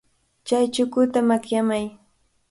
Chay chukuta makyamay.